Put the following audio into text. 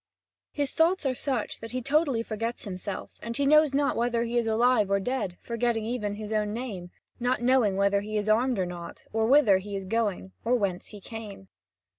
His thoughts are such that he totally forgets himself, and he knows not whether he is alive or dead, forgetting even his own name, not knowing whether he is armed or not, or whither he is going or whence he came.